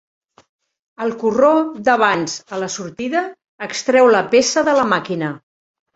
El corró d'avanç a la sortida extreu la peça de la màquina.